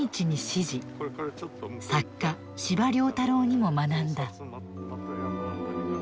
作家・司馬太郎にも学んだ。